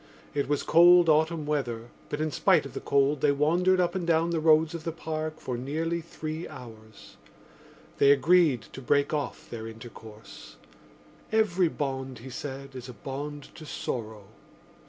It was cold autumn weather but in spite of the cold they wandered up and down the roads of the Park for nearly three hours. They agreed to break off their intercourse: every bond, he said, is a bond to sorrow.